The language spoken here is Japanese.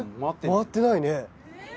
回ってないね。